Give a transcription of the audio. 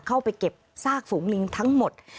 เข้าไปเก็บซากฝูงลิงทั้งหมด